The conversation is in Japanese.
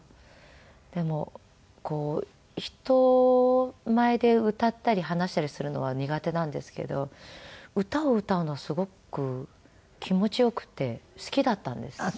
でもこう人前で歌ったり話したりするのは苦手なんですけど歌を歌うのはすごく気持ちよくて好きだったんですよね。